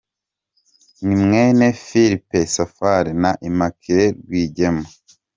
Ni mwene Philippe Safari na Immaculee Rwigema.